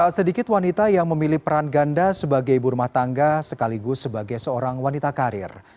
tak sedikit wanita yang memilih peran ganda sebagai ibu rumah tangga sekaligus sebagai seorang wanita karir